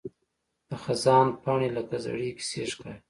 د خزان پاڼې لکه زړې کیسې ښکاري